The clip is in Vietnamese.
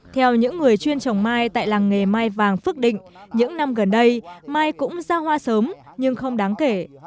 theo những người chuyên trồng mai tại làng nghề mai vàng phước định những năm gần đây mai cũng ra hoa sớm nhưng không đáng kể